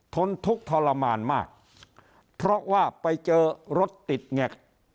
นทุกข์ทรมานมากเพราะว่าไปเจอรถติดแงก